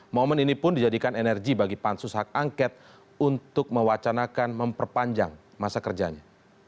momen ini pun dijadikan energi bagi pansus hak angket untuk mewacanakan memperpanjang masa kerjanya